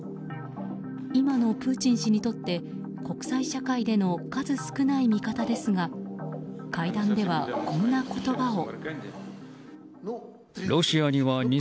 今のプーチン氏にとって国際社会での数少ない味方ですが会談では、こんな言葉を。